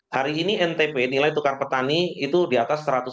hari ini ntp nilai tukar petani itu diatas satu ratus empat